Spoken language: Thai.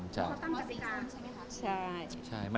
เค้าตั้งเงินภาพใช่ไหมคะ